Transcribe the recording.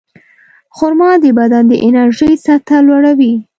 خرما د بدن د انرژۍ سطحه لوړوي.